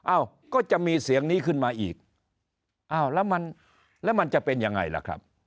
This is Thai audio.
อ้าวก็จะมีเสียงนี้ขึ้นมาอีกแล้วมันจะเป็นยังไงล่ะครับ